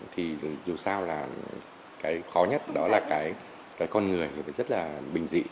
thì dù sao là cái khó nhất đó là cái con người phải rất là bình dị